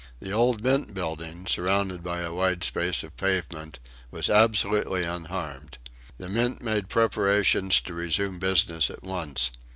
The old Mint building, surrounded by a wide space of pavement, was absolutely unharmed. The Mint made preparations to resume business at once.